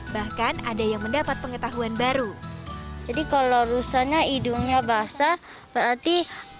bahkan ada yang mendapat pengetahuan baru jadi kalau rusana hidungnya basah berarti